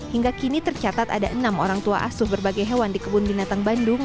hingga kini tercatat ada enam orang tua asuh berbagai hewan di kebun binatang bandung